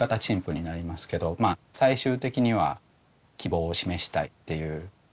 陳腐になりますけど最終的には希望を示したいっていう。